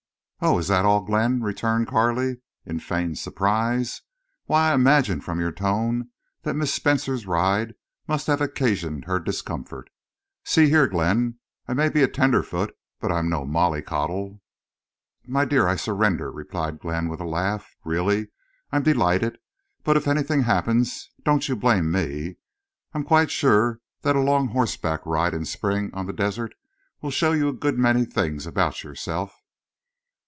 "Oh, is that all, Glenn?" returned Carley, in feigned surprise. "Why, I imagined from your tone that Miss Spencer's ride must have occasioned her discomfort.... See here, Glenn. I may be a tenderfoot, but I'm no mollycoddle." "My dear, I surrender," replied Glenn, with a laugh. "Really, I'm delighted. But if anything happens—don't you blame me. I'm quite sure that a long horseback ride, in spring, on the desert, will show you a good many things about yourself."